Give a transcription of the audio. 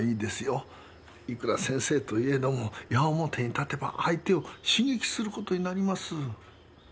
いくら先生といえども矢面に立てば相手を刺激することになります。